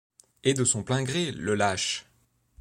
Et de son plein gré, le lâche!